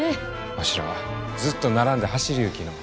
わしらはずっと並んで走りゆうきのう。